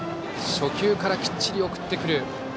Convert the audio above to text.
初球からきっちり送ってくる。